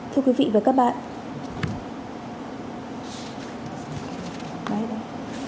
thưa quý vị và các bạn